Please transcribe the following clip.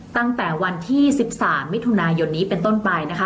ตั้งแต่วันที่๑๓มิถุนายนนี้เป็นต้นไปนะคะ